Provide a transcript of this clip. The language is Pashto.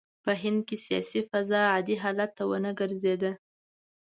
په هند کې سیاسي فضا عادي حال ته ونه ګرځېده.